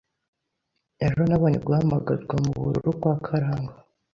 Ejo, nabonye guhamagarwa mubururu kwa Karangwa.